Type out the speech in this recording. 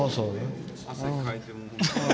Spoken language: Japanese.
汗かいてる。